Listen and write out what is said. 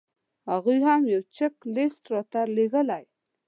هغوی هم یو چیک لیست راته رالېږلی دی.